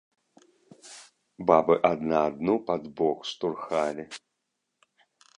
Бабы адна адну пад бок штурхалі.